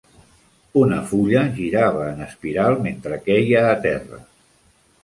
Una fulla girava en espiral mentre queia a terra.